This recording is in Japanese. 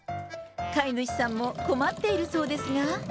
飼い主さんも困っているそうですが。